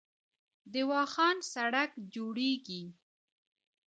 د واخان سړک جوړیږي